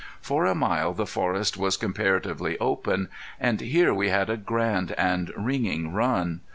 For a mile the forest was comparatively open, and here we had a grand and ringing run.